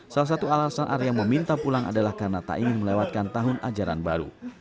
salah satu alasan arya meminta pulang adalah karena tak ingin melewatkan tahun ajaran baru